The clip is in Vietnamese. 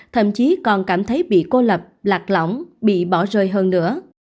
thậm chí còn cảm thấy bị cô lập lạc lỏng lõng bị bỏ rơi hơn nữa